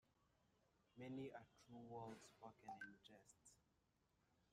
Many a true word spoken in jest.